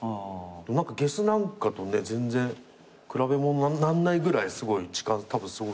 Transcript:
何かゲスなんかとね全然比べものになんないぐらいすごい時間たぶん過ごされてるから。